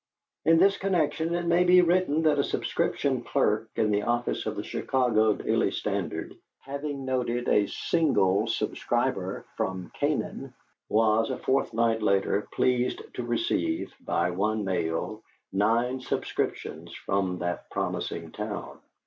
In this connection it may be written that a subscription clerk in the office of the Chicago Daily Standard, having noted a single subscriber from Canaan, was, a fortnight later, pleased to receive, by one mail, nine subscriptions from that promising town.